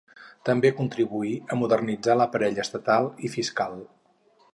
També contribuí a modernitzar l'aparell estatal i fiscal.